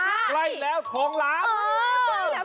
ใกล้แล้วทองร้าน